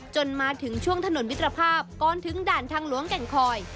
จนมาถึงช่วงถนนมิตรภาพก่อนถึงด่านทางหลวงแก่งคอย